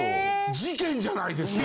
事件じゃないですか！